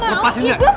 lepas ini ya